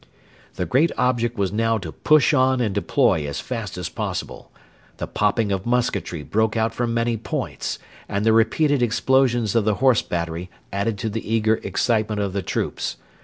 The great object was now to push on and deploy as fast as possible. The popping of musketry broke out from many points, and the repeated explosions of the Horse battery added to the eager excitement of the troops.